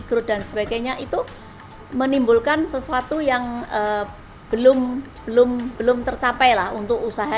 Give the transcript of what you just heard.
growth dan sebagainya itu menimbulkan sesuatu yang belum belum tercapai lah untuk usaha